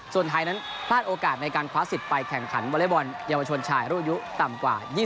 ส่วนไทยนั้นพลาดโอกาสในการคว้าสิทธิ์ไปแข่งขันวอเล็กบอลเยาวชนชายรุ่นอายุต่ำกว่า๒๐